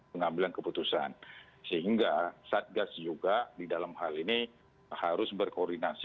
pengambilan keputusan sehingga satgas juga di dalam hal ini harus berkoordinasi